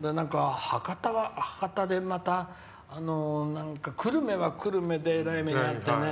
博多は博多で久留米は久留米でえらい目に遭って。